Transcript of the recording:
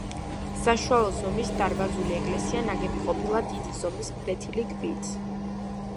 საშუალო ზომის დარბაზული ეკლესია ნაგები ყოფილა დიდი ზომის ფლეთილი ქვით.